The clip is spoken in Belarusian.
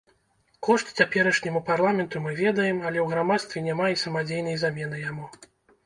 Кошт цяперашняму парламенту мы ведаем, але ў грамадстве няма і самадзейнай замены яму.